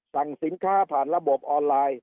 สั่งสินค้าผ่านระบบออนไลน์